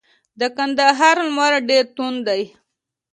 د کندهار لمر ډیر توند دی.